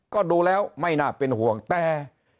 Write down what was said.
ก็ดูแล้วไม่น่าเป็นห่วงแต่